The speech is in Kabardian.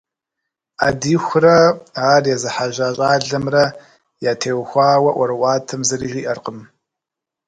Ӏэдиихурэ ар езыхьэжьа щӏалэмрэ ятеухуауэ ӏуэрыӏуатэм зыри жиӏэркъым.